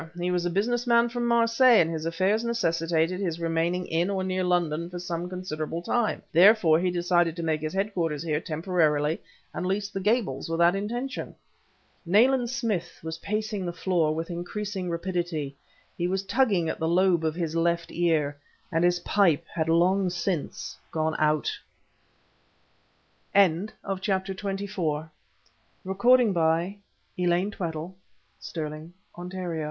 He was a business man from Marseilles, and his affairs necessitated his remaining in or near London for some considerable time; therefore, he decided to make his headquarters here, temporarily, and leased the Gables with that intention." Nayland Smith was pacing the floor with increasing rapidity; he was tugging at the lobe of his left ear and his pipe had long since gone out. CHAPTER XXV. THE BELLS I started to my feet as a tall, bearded man swung open the